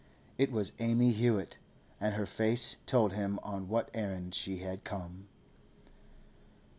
It was Amy Hewett, and her face told him on what errand she had come.